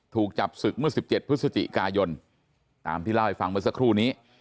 ถูกจับศึกเมื่อ๑๗พฤศจิกายนตามที่เล่าให้ฟังเมื่อสักครู่นี้